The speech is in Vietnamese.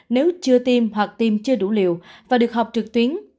nếu chưa tiêm hoặc tiêm chưa đủ liều và được họp trực tuyến